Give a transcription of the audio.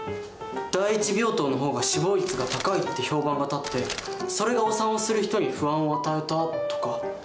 第一病棟の方が死亡率が高いって評判が立ってそれがお産をする人に不安を与えたとか。